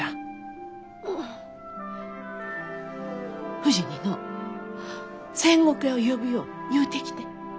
ふじにのう仙石屋を呼ぶよう言うてきて。